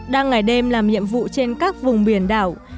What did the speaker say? đang ngày đêm làm nhiệm vụ trên các vùng biển đảo